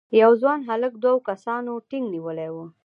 یو ځوان هلک دوه کسانو ټینک نیولی و.